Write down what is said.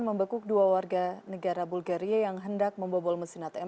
membekuk dua warga negara bulgaria yang hendak membobol mesin atm